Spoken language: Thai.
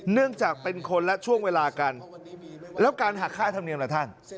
เนื่องจากเป็นคนละช่วงเวลากันแล้วการหักค่าธรรมเนียมล่ะท่าน